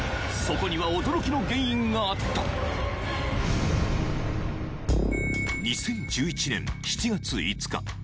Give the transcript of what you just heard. そこには驚きの原因があった２０１１年７月５日